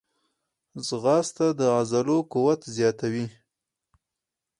ځغاسته د عضلو قوت زیاتوي